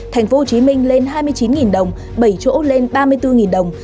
thành phố hồ chí minh lên hai mươi chín đồng bảy chỗ lên ba mươi bốn đồng